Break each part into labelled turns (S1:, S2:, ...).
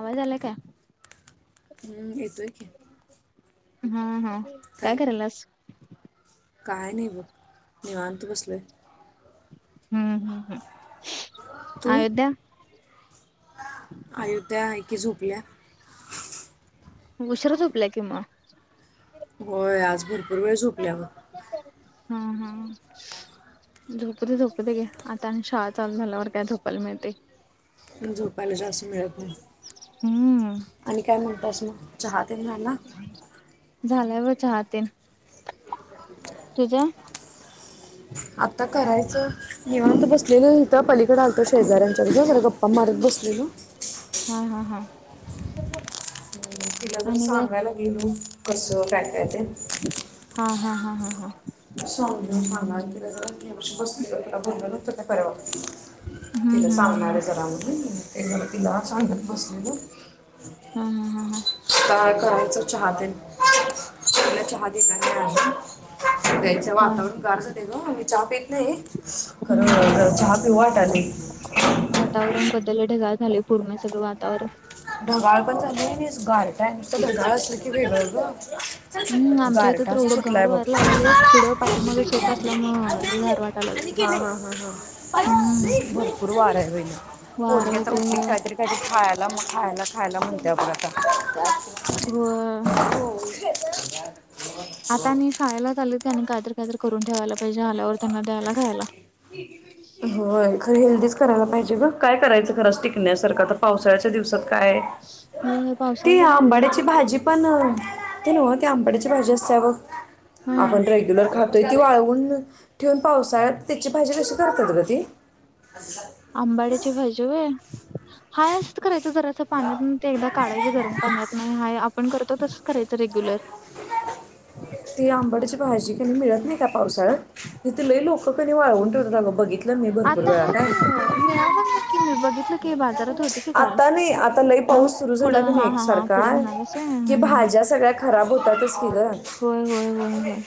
S1: आवाज आलाय काय?
S2: हम्म येतोय की.
S1: हं-हं काय करालास?
S2: काय नाही बघ निवांत बसलोय.
S1: हम्-हम्-हम्
S2: तू?
S1: अयोध्या?
S2: या
S1: उशिरा झोपल्या की म.
S2: होय आज भर वेळ झोपल्या बघ.
S1: हां-हां झोपू दे झोपू दे घे, आता आणि शाळा चालू झाल्यावर काय झोपाला मिळते.
S2: झोपायला जास्त मिळत नाही,
S1: हम्म
S2: आणि काय म्हणतास म? चाहा. तेना ना.
S1: झाल्या ब चाह तेन. तुझं?
S2: आता करायचं. निवांत बसलेलो हितं पलीक कडं आलतो शेजऱ्यांच्या [unintelligible] गप्पा मारत बसलेलो.
S1: हां-हां-हां [unintelligible]
S2: तर सांगायला गेलू, कसं काय काय ते.
S1: हां-हां-हां
S2: [unintelligible]
S1: हम्म
S2: तिला
S1: हम्म हम्म
S2: सांगणार आय
S1: हम्म.
S2: जरा मनून. ते जरा तिला सांगत बसलेलो.
S1: हां-हां-हां-हां.
S2: कळायच चहा तेन [unintelligible] चहा दिला नई आजून. च
S1: हा
S2: वातावण गार झालंय ग मी चहा पित नाही,
S1: हम्म
S2: खरं चहा पिऊट वाटालाय.
S1: वातावरण बदललय ढगाळ झालय पूर्ण सगळं वातावरण.
S2: ढगाळ पण झालंय नी गारटा हाय ढगाळ असलं की, वेगळं
S1: हम्म
S2: ग.
S1: आमच्या इथं
S2: गारटा
S1: तर
S2: असं
S1: एवढं
S2: सुटलाय
S1: गार
S2: बघ,
S1: व्हायला लागलय
S2: हं-हं-हं
S1: पुढं पाठीमाग शेत असल्यामुळं लय गार वाटायला लागलय. हम्म
S2: भरपूर वारा आहे. [unintelligible]
S1: वार
S2: पोरगी आता
S1: येतय
S2: उठली की
S1: होय.
S2: काहीतरी काहीतरी खाया [inaudible] खायला खायला म्हणत्या बघ आता.
S1: गुरुवा
S2: [unintelligible]
S1: आता आणि शाळेला चाललोय ते आणि काय तर काय तर करून ठेवायला पाहिजे, आल्यावर त्यांना द्यायला खायला.
S2: होय खरं हेल्दीच करायला पाहिजे गं, काय करायचं खरं अस् टिकण्यासारखं आता पावसाळ्याच्या दिवसात. काय,
S1: होय
S2: ती
S1: पावसाळ्यात जरा अवघड
S2: आंबाड्याची
S1: होतच.
S2: भाजी पण. ते नव ते अंबाड्याची भाजी असत्या बघ.
S1: हा
S2: आपण रेग्युलर खात. ती वाळवून ठेवून पावसाळ त्याची भाजी कशी करतात ग ती.
S1: आंबाड्याची भाजी होय. हाय असच करायच. जरास पाण्यातन एकदा काढायच गरम पाण्यात नाय हाय आपण कर त तस करायचं रेग्युलर
S2: तथ लय लोक क वाळवून ठेवतात बाबा बघितलय
S1: आता हाय की मिळालं कि मी बघितल बाजारात होती की काल
S2: आता नाही आता लई
S1: हा.
S2: पाऊस सुरू झाला
S1: पुढं
S2: क
S1: हा
S2: नाही
S1: हा हा
S2: सारख
S1: पुढं म्हणालास व्हय हम्म
S2: की
S1: हम्म
S2: भाज्या सगळ्या खराब होत तद [inaudible]
S1: होय होय होय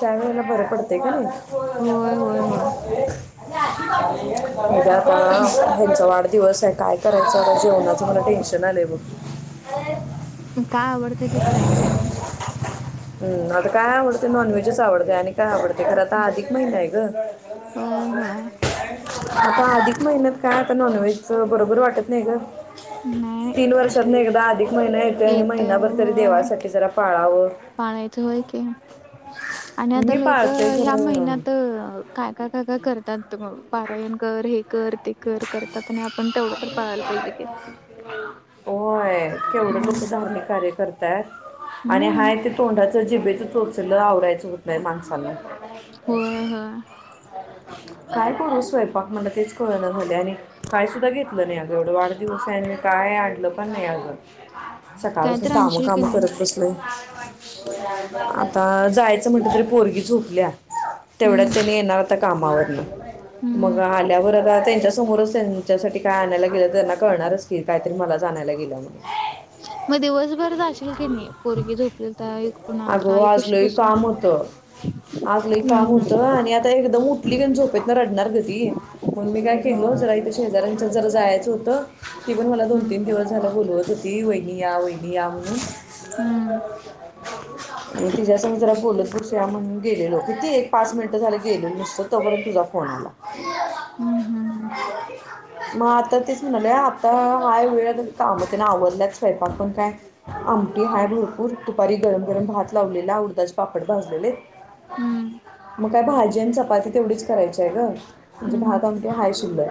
S2: त्यावेेळेला बरं पडतय कनी
S1: होय होय होय
S2: नाही म्हणजेण हचा वाढदिवस आहे काय करायचं जेवणाच मला टेन्शन आलंय बघ
S1: काय आवडतं ते करायचं मग
S2: हम् आता काय आवडते नॉन वहेजच आवडते आणि कायवडते ते खराता अधिक महिना आहे ग
S1: होय होय.
S2: आता अधिक मेहनत काय आता नॉनव्हेज बरोबर वाटत नाही ग
S1: नाही
S2: तीन वर्षात
S1: कशाला
S2: ना एकदा अधिक महिना येतोय आणि
S1: येतंय
S2: महिनाभर तरी
S1: होय
S2: देवासाठी जरा पाळाव ऑ
S1: पाळायचं होय की आणि आता
S2: मी
S1: लोक
S2: पाळते
S1: ह्या
S2: खरं
S1: महिन्यात काय काय काय काय करतात तर मग पारायणकर हे कर ते कर करतात आणि आपण तेवढं तर पाळायला पाहिजे की.
S2: होय केवढं लोक
S1: हं.
S2: धार्मिक कार्य करतात आणि
S1: हं,
S2: हाय त [unintelligible] जिबेचं चोचल आवरायचं होत नाही माणसाला
S1: होय हा
S2: काय करू स्वयंपाक म्हण तेच कळ ना झाले आणि काय सुद्धा घेत लं नाही अ एवढं वाढदिवस आहे काय आणलं पण नाही अगं
S1: काय
S2: सकाळपासून
S1: तर
S2: काम
S1: आणशील की
S2: काम
S1: नाही?
S2: करत कसले आता जायचं म्हटलं तरी पोरगी झोपल्या
S1: हं,
S2: तेवढ्याच हेनी येणार आता कामावरन मग
S1: हं.
S2: आल्यावर राहात समोरच तेच्यासाठी काय आणायला गेलं त्यांना कळणारच क काहीतरी मलाच आणायला गेलं म्ह
S1: मग दिवसभर जाशील की नाही? पोरगी झोपलेली तर आई कुठून आलं तर
S2: अगो
S1: आईपाशी
S2: आजलही
S1: बसून.
S2: काम होतं आजलही काम
S1: हं,
S2: होतं
S1: हं.
S2: आणि आता एकदम उठली का झोपेत ना रडणार ग त म्हण मी काय केल
S1: होय.
S2: जरा इथ शेजऱ्या जायच होत पण मला दोन
S1: हं,
S2: तीन दिवस झा बोलो त ती होयी आ होय नियामणी
S1: हं,
S2: म तिझ्या अस म जला गोलदपूर शि म्हणून गेलेलो क ती एक पाच मिनिटं झाली गेल नुसतं तोपर्यंत तुझा फोन आला
S1: हम्म हम्म हम्म
S2: मग आता तेच म्हणाले आता हाय वेळ कामतेना आवडलात स्वयंपाक पण काय आमटी हाय भरपूर दुपारी गरम गरम भात लावलेला उरदाचे पापड भाजलेले
S1: हं,
S2: मग काय भाजी आणि चपाती तेवढीच करायचंय ग म्हणजे
S1: हं,
S2: भात अमटे हाय शिलर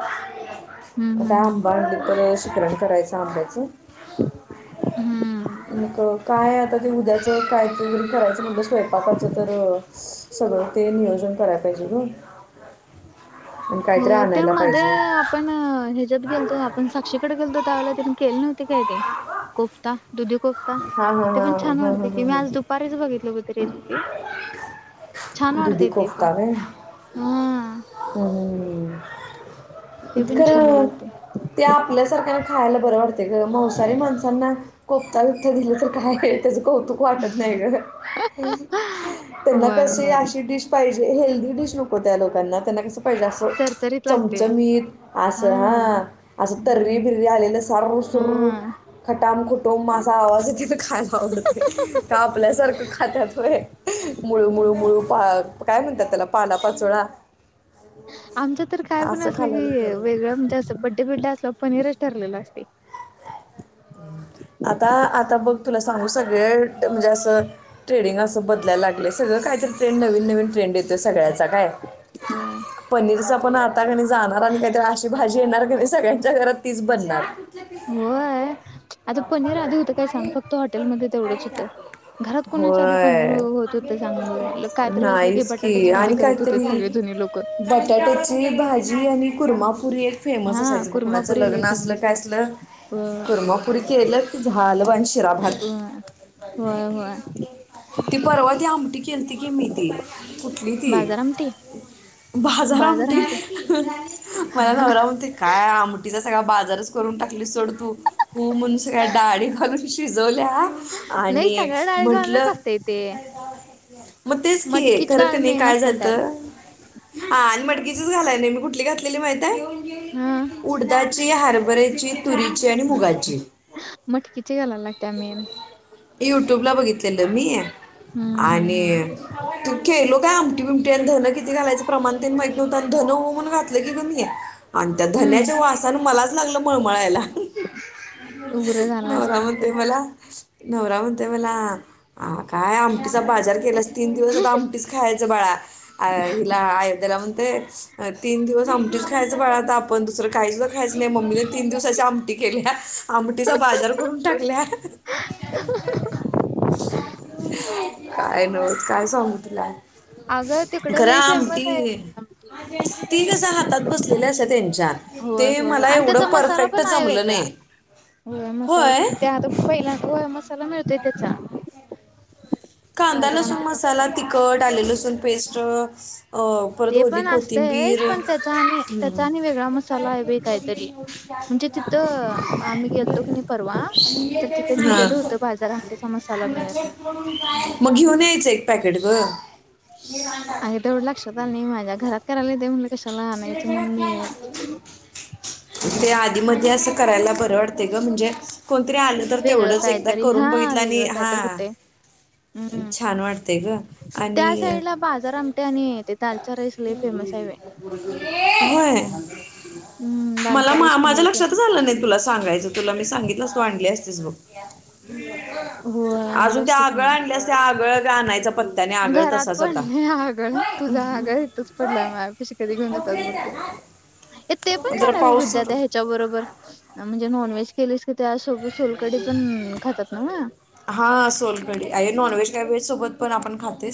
S1: हं, हं, हं.
S2: रामबनडीपेश [unintelligible] शिकरणकरायचं आंब्याचं
S1: हं. हं. हं.
S2: एनेक काय आता ते उद्याचं काय ते वगैरे करायचं म्हणत स्वयंपाकाचा तर सगळं ते नियोजन करायला पाहिजे ग. आणि काहीतरी
S1: होय ते
S2: आणायला
S1: मध्ये
S2: पाहिजे
S1: आपण ह्याच्यात गेलो आपण साक्षीकडे गेलो. ला त केल् न होते काय ते कोपता दुधी कोफ्ता
S2: हां हां
S1: ते पण
S2: हां
S1: छान
S2: हां
S1: वाटते
S2: हां
S1: की
S2: हां
S1: मी आज
S2: हां
S1: दुपारीच बघितलं होती रेसिपी छान
S2: दुदी
S1: वाटते ते पण
S2: कोफता व
S1: हा
S2: हम्म ह
S1: ते पण छान
S2: खर
S1: वाटते
S2: त्या आपल्यासारख्या खायला बरं वाटतेय ग मवसाारी माणसांना कोपता दुपता दिलं तर काय त्या कौतुक वाटत नाही
S1: होय होय
S2: अशी डिश पाहिजे. हेल्दी डीश नको त्या लोकना त्यांना कस पहिलं असं
S1: चरचरीत लागते
S2: चमचमीत असं हा असं तर्री
S1: हम्म
S2: बिर्री आलेलं सारू सुरू
S1: हा
S2: खटाम खुट तो माझा आवाज कि खायला आवडतय का आपल्यासारखं खातत व्हय मुळू मुळू
S1: होय
S2: मुळूपाक काय म्हणतात त्याला पाला पाचोळा
S1: आमच्या तर काय पण
S2: असं
S1: असलं
S2: खायला
S1: कि
S2: लागलं
S1: वेगळं म्हणजे असं बड्डे बिड्डे असल्यावर पनीरच ठरलेलं असतय
S2: आता आता बघ तुला सांगू सगळे म्हणजे असं ट्रेडिंग अस बदलायला लागले सगळं काहीतरी ट्रेंड नवीन नवीन ट्रेंड येते सगळ्यांचा काय
S1: होय
S2: पनीर. पण आता कनई जाणार आणि काहीतरी अशी भाजी येणार कनई सगळ्यांच्या घरात तीच बनणार.
S1: होय आता पनीर आधी होत काय सांग फक्त हॉटेलमध्येध्ये तेवढंच होतं घरात कोणाच्या आधी आता पनीर
S2: होय
S1: आधी होत काय सांग फक्त हाँटेलमध्ये तेवढंच होत घरात कोणाच्या आधी पनीर होत होत सांग कायतरी असलं की
S2: नाहीच
S1: बटाट्याची भाजी
S2: आणि
S1: करत होते
S2: काहीतरी
S1: सगळे जुनी लोक
S2: बटाट्याची भाजी आणि कुर्मापुरी एक फेमस
S1: हा
S2: असायचं बघ कुणाचं
S1: कुर्मापुरी लय
S2: लग्न असलं
S1: फेमस
S2: काय असलं
S1: हो
S2: कुर्मापुरी केलं की झाल आणि शिरा भात
S1: होय
S2: ती परवा ती आमटी केलती की मी ती
S1: बाजार आमटी
S2: बाजार आमटी मला नवरा म्हणतोय काय आमटी? सगळा बाजारच करून टाकलीस सोड तू? हू म्हणून सगळ्या डाळी घालून ती जल त्या
S1: नाही
S2: आणि
S1: सगळ्या डाळी घालत
S2: म्हटलं
S1: असते ते
S2: मग तेच कि
S1: मटकीची
S2: खर क
S1: डाळ
S2: नाही
S1: मेन
S2: काय
S1: असते
S2: झालत?
S1: त्यात
S2: हा आणि मटकीचीच घालाय नाही मी कुठली घातलेली
S1: हा
S2: माहिती? उडदा ची हरभरा ची तुरीची आणि मुगाची
S1: मटकीची घालायला लागत्या मेन
S2: युट्युबला बघितलेलं मी
S1: हम्म हम्म हम्म
S2: आणि तू केलो काय आमटी बिमटी आणि धन किती घालायचं प्रमाण तेन माहिती नव्हत आणि धन हू म्हणून घातलय कि ग मी आणि त्या
S1: हम्म
S2: धन्याचा वासान मलाच लागलं मळमळायला ह
S1: उग्रं झालं अस म ते
S2: नवरा म्हणतोय मला हा काय आमटीचा बाजार केलास तीन दिवस आता आमटीच खायचं बाळा. हिला अयोध्याला म्हणतोय तीन दिवस आमटीच खायचं बाळा आणि आपण दुसरं काहीच खायचं नाही मम्मीने तीन दिवसाची आमटी केल्या टीचा बाजार करून टाकल्या काय नव्हच काय सांगू तुला?
S1: अगं तिकडं
S2: खरा
S1: लय फेमस आहे
S2: आमटी
S1: ती आमटी
S2: ती कस हातात बसलेली असत्या तेच्या. ते
S1: होय होय होय.
S2: मला
S1: आणि
S2: एवढं
S1: त्याचा मसाला
S2: परफेक्ट
S1: पण आहे
S2: जमलं
S1: वेगळा.
S2: नाही.
S1: होय मसाला पण, ते आता पहिल्या होय मसाला मिळतो
S2: [unintelligible] कांदा,
S1: भाजर
S2: लसूण
S1: आमटीचा
S2: मसाला, तिखट, आले, लसूण पेस्ट परत
S1: ते
S2: ओली
S1: पण असतंयच
S2: कोथिंबीर
S1: पण, त्याचा आणि त्याचा
S2: हम्म.
S1: आणि वेगळा मसाला आहे बीई काहीतरी म्हणजे तिथं आम्ही गेलतो क नाही परवा तर तिथं
S2: हां
S1: लिहिलेल होतं बाजार आमटीचा मसाला मिळेल म्हनून.
S2: मग घेऊन यायचं एक पॅकेट ग.
S1: आग तेवढं लक्षात आल नाही माझ्या. घरात करायला येतय म्हणलं कशाला आणयच? म्हणून मी
S2: मदी अस करायला बर वाटतय ग म्हणजे कोणतरी आलं तर
S1: वेगळं
S2: तेवढंच एकदा
S1: कायतरी
S2: करून
S1: हा
S2: बघितल आणि
S1: वेगळं
S2: हा
S1: कायतरी होतंय. हम्म
S2: छान वाटतय ग आणि
S1: त्या साईडला बाजार आमटी आणि ते दालचा राईस लय फेमस आहे बाई.
S2: होय
S1: हम्म
S2: मला
S1: दालचा
S2: मा
S1: राईस पण
S2: माझ्या
S1: लय फेमस
S2: लक्षातच आलं नाही तुला सांगायचं तुला मी सांगितल आसात तू आणली नली असतीस बग.
S1: होय आणलं
S2: अजून त्या
S1: असतो की
S2: आगळ
S1: मग
S2: आणल्या असते आगळ का आणायचं पण
S1: घरात पडले आगळ तुझं आगळ इथच पडलाय माझ्या पशी कधी घेऊन जात्यास बघ. ये ते पण
S2: जरा
S1: छान आहे ग
S2: पाऊस
S1: विद्याथी
S2: सुरू
S1: ह्याच्या बरोबर म्हणजे नॉनव्हेज केले स मग
S2: हा सोनकडी अय नॉनवेहेज काय व्हेज सोब पण आपण खाते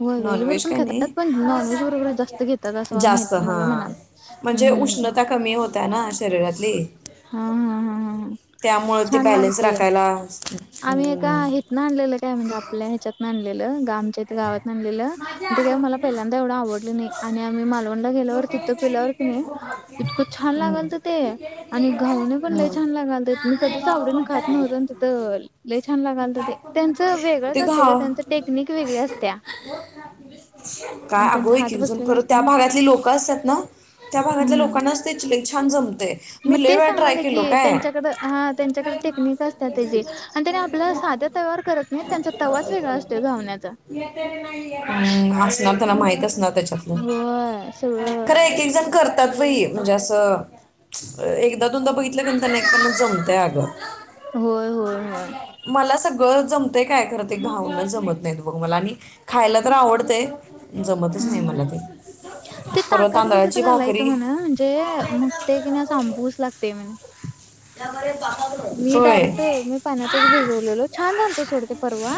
S1: होय व्हेज बरोबर
S2: नॉनव्हेज
S1: पण
S2: काय
S1: खातात
S2: नाही
S1: पण नॉनव्हेज बरोबर जास्त घेतात असं
S2: जास्त
S1: माहित मला
S2: हा
S1: म्हणाल
S2: म्हणजे
S1: हम्म
S2: उष्णता कमी होत्या ना शरीरातली.
S1: हा हा हा हा
S2: त्यामुळं ते
S1: छान
S2: बॅलेन्स
S1: लागते
S2: राखायला.
S1: आम्ही एका
S2: हम्म.
S1: हितन आणलेलं काय म्हणजे आपल्या तिच्यात [unintelligible] आच्या इथे गावात आणलेलं ते काय मला पहिल्यांदा एवढं आवडलं नाही आणि आम्ही मालवंड गेल्यावर तिथं पिल्यावर की नाही तितक छान लागाल तर ते आणि गाऊून पण ल छान लागाल ते मी कधीच आवडेल ना खात नव्हत तिथं लय छान लागलं ते त्यांचे वेगळेच
S2: ते
S1: असतं ग
S2: घा
S1: त्यांची टेक्निक वेगळी असत्या
S2: काय
S1: आणि त्यांचा
S2: अगं एक
S1: हात
S2: एक जन
S1: बसलेला
S2: खरं त्या
S1: असतोय
S2: भागातली लोक असतात ना त्या भागातल्या
S1: हम्म
S2: लोकांनाच ते च छान जमते
S1: मग
S2: मी लई
S1: ते
S2: वेळा ट्राय
S1: सांगाले
S2: केलो
S1: की
S2: काय
S1: त्यांच्याकडं हा त्यांच्याकडे टेक्निक असत्या त्याची आणि त्याने आपल्या साध्या तव्यावर करत नाही त्यांचा तवाच वेगळा असतो धावण्यात.
S2: [unintelligible] त्यांला माहित त्याच्यात ना
S1: होय सगळं
S2: खरं एक एक जन त्यात बाई म्हणजे असं एकदा दोनदा जमतय अग
S1: होय होय होय
S2: मला सग ग जमतंय काय खरं ते घावणे जमत नाही बघ मला आणि खायला तर आवडतंय जमतच नाही
S1: हम्म
S2: मला ते
S1: ते
S2: परवा
S1: ताकत भिजत
S2: तांदळाची
S1: घालाय का
S2: भाकरी
S1: म्हणा म्हणजे मगते कि नाही अंबुस लागते म्हण
S2: [unintelligible]
S1: मी
S2: होय
S1: डायरेक्ट मी पाण्यातच भिजवलेलो छान झालतो सोडते परवा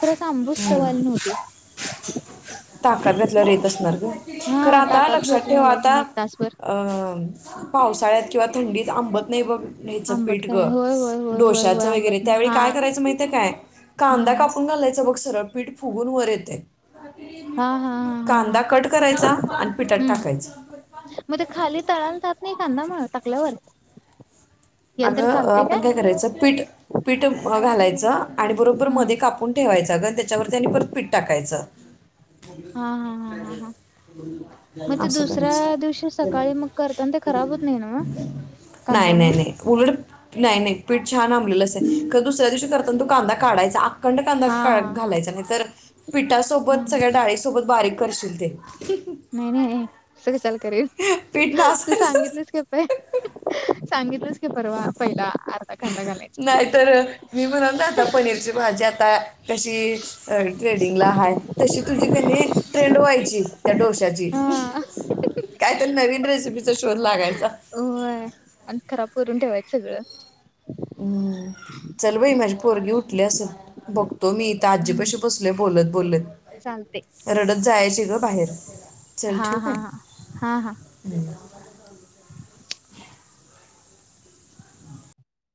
S1: खरं स आंबूस
S2: हम्म.
S1: सवाल नव्हती.
S2: ताकद घातला रेत अस खरा
S1: हा
S2: आता
S1: ताकात
S2: लक्षात
S1: भिजत
S2: ठेवा
S1: घालायच म्हण
S2: आता
S1: एक तासभर.
S2: अ पावसाळ्यात किंवा थंडीत आंबत नाही बघ च
S1: आंबट
S2: पीठग
S1: काय होय होय होय होय होय
S2: डोश्याचं
S1: आंबट
S2: वगैरे
S1: नाही
S2: त्यावेळी
S1: हा
S2: काय करायचं माहिितये काय कांदा
S1: हम्म
S2: कापून घालायचं बघ सरपीठ फुगून वर येत
S1: हा हा हा हा हा
S2: करायचा आणि पिठात
S1: हम्म
S2: टाकायचं
S1: मग ते खाली तळाला जात नाही कांदा म्हणून टकल्यावर
S2: अगं आपण काय करायचं पीठ पीठ म घालायचं आणि बरोबर
S1: हम्म.
S2: मध्ये कापून ठेवायचं ग त्याच्यावर त्यांनी परत पीठ टाकायचं.
S1: हा हा हा हा हा मग ते
S2: असं
S1: दुसऱ्या
S2: करायचं
S1: दिवशी सकाळी मग करताना ते खराब होत नाही ना म
S2: नाही नाही
S1: कांद्यामुळ
S2: नाही नाही नाही पीठ छान आंबलेलंच आहे दुसऱ्या दिवशी करताना तो कांदा काढायचा. खंड कांदा
S1: हा हा.
S2: घालायचा नाही तर
S1: हा
S2: पिठासोबत सगळ्या डाळीसोबत बारीक करशील ते
S1: नाही नाही स का चाल करेल
S2: पीठ
S1: तू
S2: नासायचं
S1: सांगितलंस का उपाय सांगितलंच. परवा पहिला अर्धा कांदा घालायचा.
S2: नाहीत मी म्हणून राता पनीरची भाजी आ स कशी ट्रेडिंगला हाय तशी तुझी क ट्रेंड व्हायची त्या डोश्याची
S1: हा.
S2: कायत नवी ड्रेस शोध लागायचा
S1: होय आणि खराब करून ठेवायचं सगळं
S2: हम्म चल बाई माझे पोरगी उठले असे बघ तो मीथ
S1: हम्म.
S2: आजीपाशी बसले बोलत बोलत
S1: चालते
S2: रडत जायची. ग बाहेर चल
S1: हा
S2: ठेऊ का.
S1: हा हा हा हा. [unintelligible]